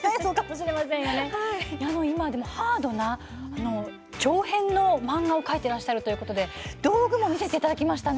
今、ハードな長編の漫画を描いていらっしゃるということで道具も見せていただきましたね。